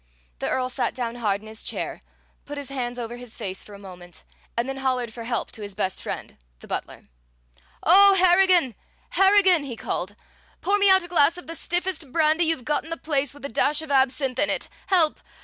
The Earl sat down hard in his chair, put his hands over his face for a moment, and then hollered for help to his best friend, the butler. "O Harrigan, Harrigan!" he called, "pour me out a glass of the stiffest brandy you've got in the place, with a dash of absinthe in it! Help!